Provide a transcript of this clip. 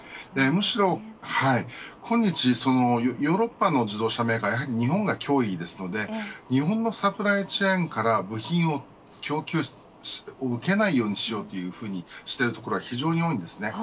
むしろ今日ヨーロッパの自動車メーカーは日本が脅威ですので日本のサプライチェーンから部品の供給を受けないようにしようというふうにしているところが非常に多いです。